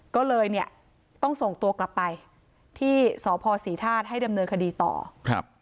ก็เลยเนี่ยต้องส่งตัวกลับไปที่สพศรีธาตุให้ดำเนินคดีต่อครับ